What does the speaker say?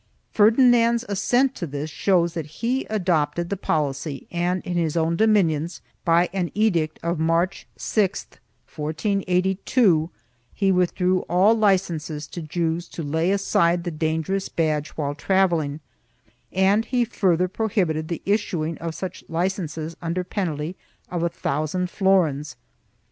1 Ferdinand's .assent to this shows that he adopted the policy and, in his own ¥ dominions, by an edict of March 6, 1482, he withdrew all licenses to Jews to lay aside the dangerous badge when travelling, and he further prohibited the issuing of such licenses under penalty of a thousand florins.